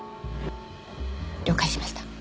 了解しました。